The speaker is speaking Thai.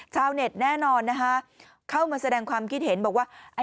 ชาวเน็ตแน่นอนนะคะเข้ามาแสดงความคิดเห็นบอกว่า